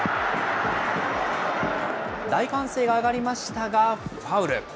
大歓声が上がりましたがファウル。